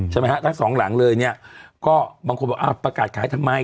ใช่ไหมฮะทั้งสองหลังเลยเนี่ยก็บางคนบอกอ้าวประกาศขายทำไม